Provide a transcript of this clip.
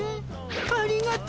ありがとう。